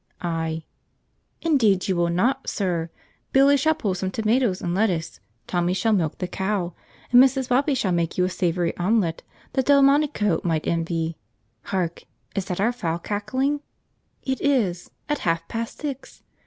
I. "Indeed you will not, sir! Billy shall pull some tomatoes and lettuce, Tommy shall milk the cow, and Mrs. Bobby shall make you a savory omelet that Delmonico might envy. Hark! Is that our fowl cackling? It is, at half past six!